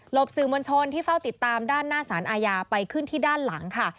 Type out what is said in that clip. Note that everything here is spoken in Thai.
บสื่อมวลชนที่เฝ้าติดตามด้านหน้าสารอาญาไปขึ้นที่ด้านหลังค่ะ